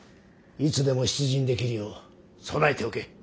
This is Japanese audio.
いつでも出陣できるよう備えておけ。